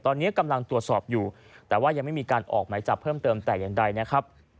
ตอนนี้กำลังตรวจสอบอยู่แต่ว่ายังไม่มีการออกหมายจับเพิ่มเติมแต่อย่างใดนะครับ